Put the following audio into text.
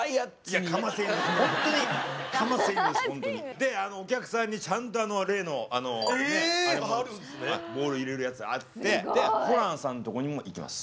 でお客さんにちゃんと例のあれもボール入れるやつあってでホランさんのとこにもいきます。